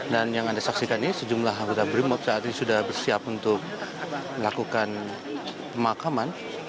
dan yang anda saksikan ini sejumlah anggota brimot saat ini sudah bersiap untuk melakukan pemakaman